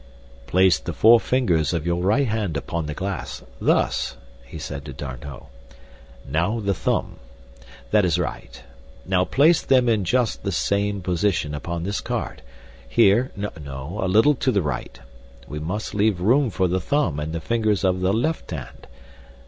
"Place the four fingers of your right hand upon the glass, thus," he said to D'Arnot. "Now the thumb. That is right. Now place them in just the same position upon this card, here, no—a little to the right. We must leave room for the thumb and the fingers of the left hand.